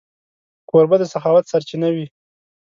کوربه د سخاوت سرچینه وي.